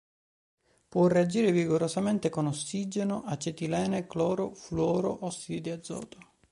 Può reagire vigorosamente con ossigeno, acetilene, cloro, fluoro, ossidi di azoto.